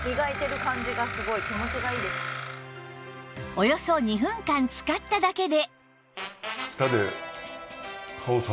およそ２分間使っただけで